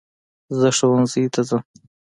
زه ښوونځی ته ځم